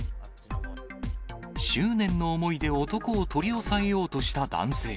執念の思いで男を取り押さえようとした男性。